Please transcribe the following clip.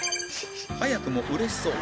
早くもうれしそう